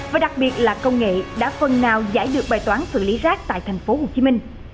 và đặc biệt là công nghệ đã phần nào giải được bài toán xử lý rác tại tp hcm